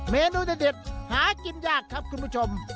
เมนูเด็ดหากินยากครับคุณผู้ชม